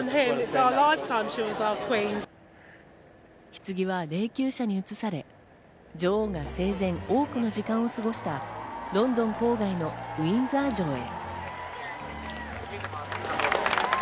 ひつぎは霊柩車に移され、女王が生前、多くの時間を過ごしたロンドン郊外のウィンザー城へ。